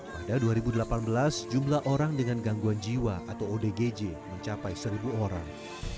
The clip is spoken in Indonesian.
pada dua ribu delapan belas jumlah orang dengan gangguan jiwa atau odgj mencapai seribu orang